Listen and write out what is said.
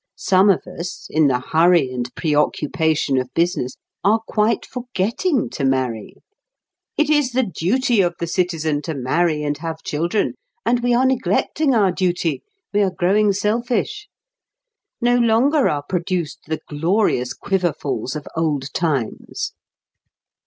Some of us, in the hurry and pre occupation of business, are quite forgetting to marry. It is the duty of the citizen to marry and have children, and we are neglecting our duty, we are growing selfish! No longer are produced the glorious "quiverfuls" of old times!